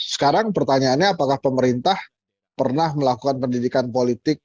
sekarang pertanyaannya apakah pemerintah pernah melakukan pendidikan politik